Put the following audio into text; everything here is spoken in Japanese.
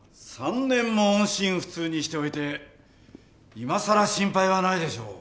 ３年も音信不通にしておいて今更心配はないでしょう。